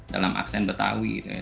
dalam aksen betawi gitu ya